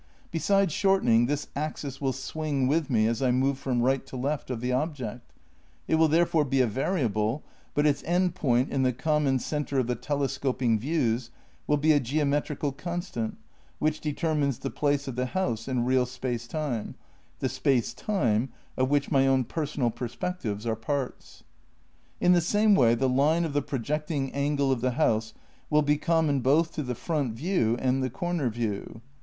Besides shortening, this axis will swing with me as I move from right to left of the object; it will therefore be a variable, but its end point in the common centre of the telescoping views will be a geometrical constant which determines the place of the house in real space time, the space time of which my own personal perspectives are parts. In the same way the line of the projecting angle of the house will be common both to the front view and the comer view.